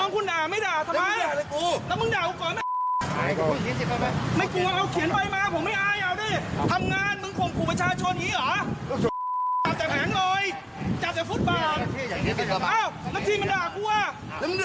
คุณเขียนใบมาดินี่รถส่วนตัวผม